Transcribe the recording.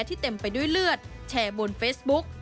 เต็มไปด้วยเลือดแชร์บนเฟซบุ๊ก